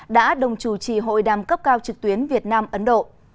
đã đồng chủ trì hội đàm cấp cao trực tuyến việt nam ấn độ